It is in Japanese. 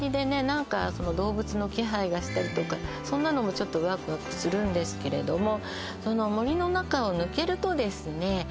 何か動物の気配がしたりとかそんなのもちょっとワクワクするんですけれどもその森の中を抜けるとですね